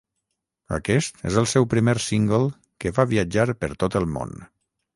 Aquest és el seu primer single que va viatjar per tot el món.